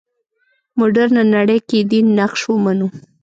مډرنه نړۍ کې دین نقش ومنو.